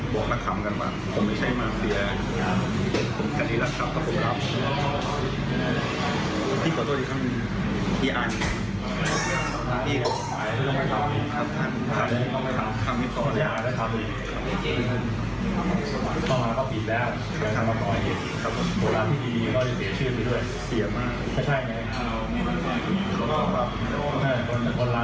ผมก่อนหน้าโดนจับครั้งแรกกลับไปซื้อเสื้อผ้าก็นอนกันไว